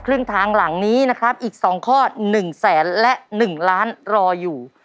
ครึ่งทางหลังนี้นะครับอีก๒ข้อ๑แสนและ๑ล้านรออยู่